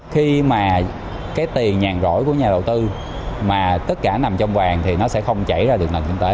khi mà cái tiền nhàn rỗi của nhà đầu tư mà tất cả nằm trong vàng thì nó sẽ không chảy ra được nền kinh tế